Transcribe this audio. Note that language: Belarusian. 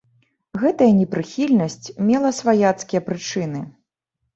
Гэтая непрыхільнасць мела сваяцкія прычыны.